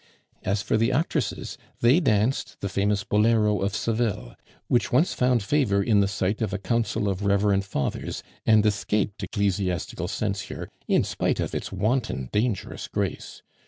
As for the actresses, they danced the famous bolero of Seville, which once found favor in the sight of a council of reverend fathers, and escaped ecclesiastical censure in spite of its wanton dangerous grace.